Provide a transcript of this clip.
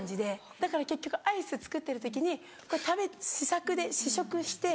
だから結局アイス作ってる時に試作で試食して。